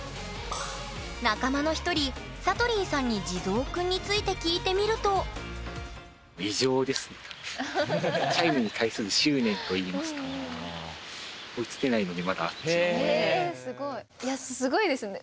仲間の一人さとりんさんに地蔵くんについて聞いてみるといやすごいですよね。